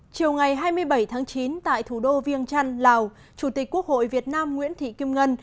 chiều ngày hai mươi bảy tháng chín tại thủ đô viêng trăn lào chủ tịch quốc hội việt nam nguyễn thị kim ngân